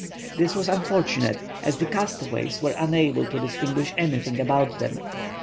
This was unfortunate, as the castaways were unable to distinguish anything about them.